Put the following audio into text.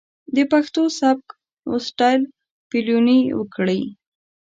د پښتو سبک و سټايل پليوني وکړي.